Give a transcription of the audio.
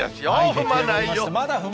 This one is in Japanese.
踏まないよ。